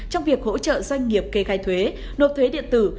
trong việc hỗ trợ doanh nghiệp kê khai thuế nộp thuế điện tử